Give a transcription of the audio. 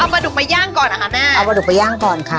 เอาปลาดุกมาย่างก่อนนะคะแม่เอาปลาดุกมาย่างก่อนค่ะ